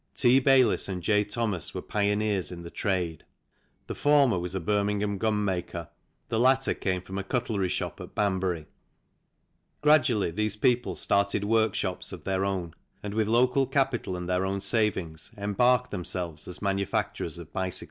T. Bayliss and J. Thomas were pioneers in the trade ; EARLY HISTORY AND ORIGIN OF THE BICYCLE 3 the former was a Birmingham gun maker, the latter came from a cutlery shop at Banbury. Gradually these people started workshops of their own and with local capital and their own savings embarked themselves as manufacturers of bicycles.